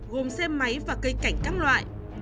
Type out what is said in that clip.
gồm xe máy và cây cảnh các loại